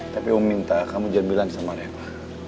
tapi om minta kamu jangan bilang sama reva